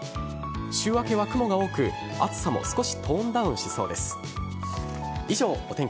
週明けは雲が多く暑さもトーンダウンしそうです。